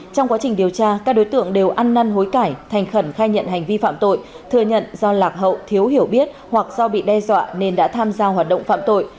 trong quá trình điều tra các đối tượng đều ăn năn hối cải thành khẩn khai nhận hành vi phạm tội thừa nhận do lạc hậu thiếu hiểu biết hoặc do bị đe dọa nên đã tham gia hoạt động phạm tội